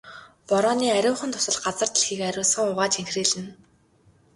Борооны ариухан дусал газар дэлхийг ариусган угааж энхрийлнэ.